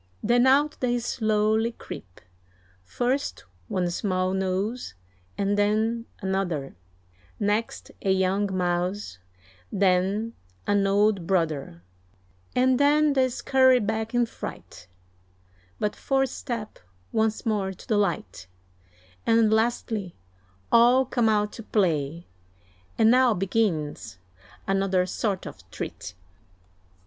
Then out they slowly creep, First one small nose, and then another, Next a young mouse, then an old brother, And then they scurry back in fright; But four step once more to the light, And lastly all come out to play, And now begins another sort of treat: [Illustration: THE CAT AND THE OLD RAT.